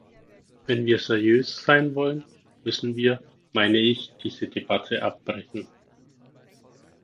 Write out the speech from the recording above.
Wenn wir seriös sein wollen, müssen wir, meine ich, diese Debatte abbrechen.